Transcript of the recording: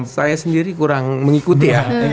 saya sendiri kurang mengikuti ya